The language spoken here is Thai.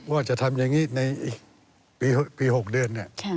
ว่าจะทำอย่างนี้ในปี๖เดือน